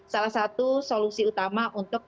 salah satu solusi utama untuk